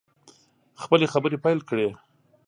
خپلې خبرې پیل کړې.